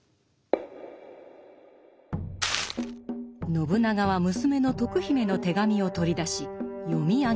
信長は娘の徳姫の手紙を取り出し読み上げた。